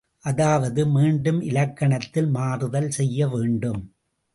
அதாவது, மீண்டும் இலக்கணத்தில் மாறுதல் செய்யவேண்டும்.